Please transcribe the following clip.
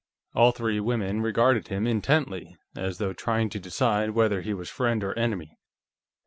All three women regarded him intently, as though trying to decide whether he was friend or enemy.